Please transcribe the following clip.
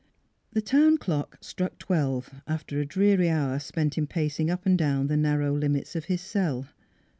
The town clock struck twelve, after a dreary hour spent in pacing up and down the narrow limits of his cell.